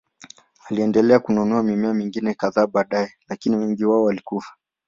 Aliendelea kununua mimea mingine kadhaa baadaye, lakini wengi wao walikufa.